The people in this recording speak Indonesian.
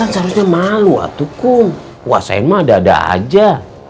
saya malu atukum saya mah dada aja